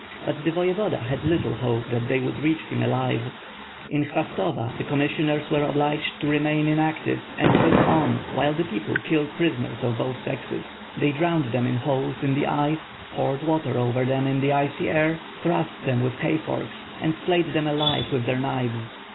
But the Voyevoda had little hope that they would reach him 594 WITH FIRE AND SWORD. 595 alive. In Khvastova, the commissioners were obliged to re main inactive and look on, while the people killed prisoners of both sexes. They drowned them in holes in the ice, poured water over them in the icy air, thrust them with hay forks, and flayed them alive with their knives.